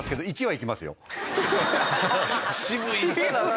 渋い人だな。